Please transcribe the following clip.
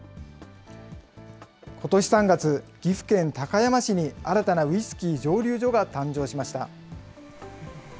ことし３月、岐阜県高山市に新たなウイスキー蒸留所が誕生しました。